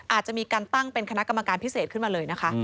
อาจจะมีการตั้งเป็นคณะกรรมการพิเศษขึ้นมาเลยนะคะ